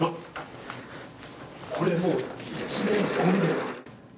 これ、もう一面、ゴミですか？